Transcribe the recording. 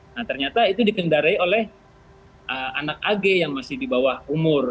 nah ternyata itu dikendarai oleh anak ag yang masih di bawah umur